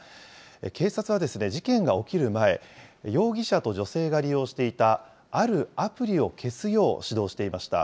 警察は事件が起きる前、容疑者と女性が利用していた、あるアプリを消すよう指導していました。